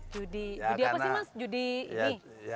judi apa sih mas judi ini